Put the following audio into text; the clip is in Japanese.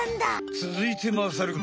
つづいてまさるくん。